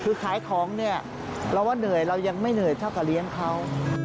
คือขายของเนี่ยเราว่าเหนื่อยเรายังไม่เหนื่อยเท่ากับเลี้ยงเขา